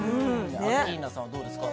アッキーナさんはどうですか？